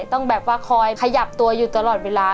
ต้องแบบว่าคอยขยับตัวอยู่ตลอดเวลา